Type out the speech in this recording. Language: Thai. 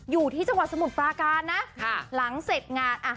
อยู่ที่จังหวะสมุดปลากานนะค่ะหลังเสร็จงานอ่ะ